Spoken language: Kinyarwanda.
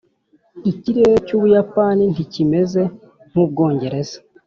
ikirere cy’ubuyapani ntikimeze nk'ubwongereza.